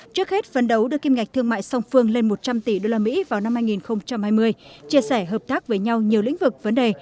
trước hết phấn đấu đưa kim ngạch thương mại song phương lên một trăm linh tỷ usd vào năm hai nghìn hai mươi chia sẻ hợp tác với nhau nhiều lĩnh vực vấn đề